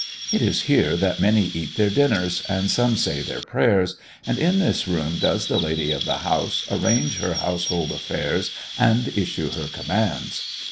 It is here that many eat their dinners, and some say their prayers; and in this room does the lady of the house arrange her household affairs and issue her commands.